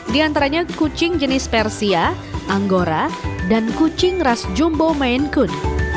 di antaranya kucing jenis persia anggora dan kucing ras jumbo mainkun